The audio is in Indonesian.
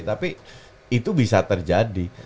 tapi itu bisa terjadi